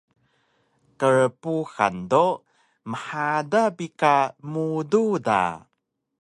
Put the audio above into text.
Krpuhan do mhada bi ka mudu da